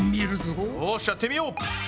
よしやってみよう！